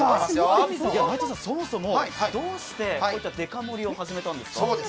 そもそもどうしてこういったデカ盛りを始めたんですか？